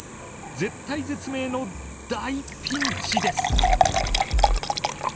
絶体絶命の大ピンチです。